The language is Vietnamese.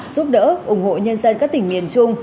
giúp đỡ ủng hộ nhân dân các tỉnh miền trung